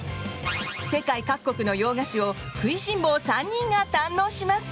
世界各国の洋菓子を食いしん坊３人が堪能します。